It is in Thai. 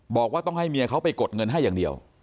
บอกว่าต้องให้เมียเขาไปกดเงินให้อย่างเดียว